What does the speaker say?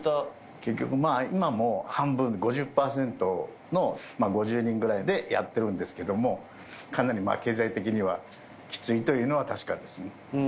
結局今も半分、５０％の５０人ぐらいでやってるんですけれども、かなり経済的にはきついというのは、確かですね。